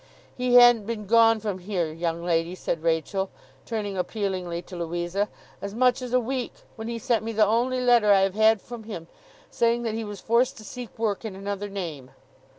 'He hadn't been gone from here, young lady,' said Rachael, turning appealingly to Louisa, 'as much as a week, when he sent me the only letter I have had from him, saying that he was forced to seek work in another name.